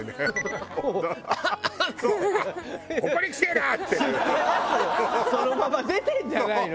吸ったやつをそのまま出てるんじゃないの？